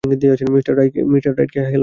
Mister রাইটকে hello বলো।